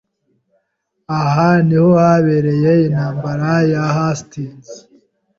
Aha niho habereye intambara ya Hastings.